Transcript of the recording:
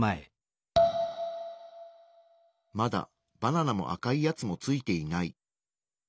まだバナナも赤いやつもついていない。